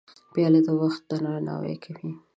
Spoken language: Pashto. پیاله د وخت درناوی کوي.